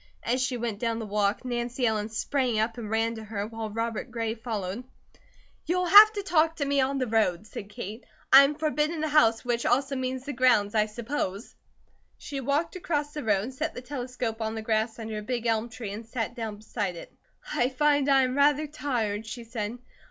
As she went down the walk Nancy Ellen sprang up and ran to her while Robert Gray followed. "You'll have to talk to me on the road," said Kate. "I am forbidden the house which also means the grounds, I suppose." She walked across the road, set the telescope on the grass under a big elm tree, and sat down beside it. "I find I am rather tired," she said.